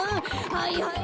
はいはい。